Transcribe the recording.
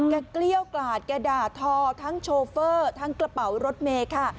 เกลี้ยวกลาดแกด่าทอทั้งโชเฟอร์ทั้งกระเป๋ารถเมย์ค่ะ